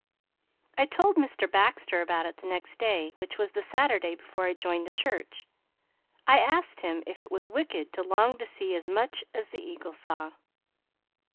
I told Mr. Baxter about it the next day, which was the Saturday before I joined the church. I asked him if it was wicked to long to see as much as the eagle saw?